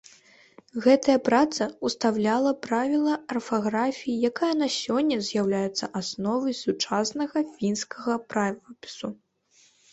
Гэтая праца ўсталявала правілы арфаграфіі, якія на сёння з'яўляюцца асновай сучаснага фінскага правапісу.